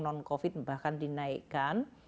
non covid bahkan dinaikkan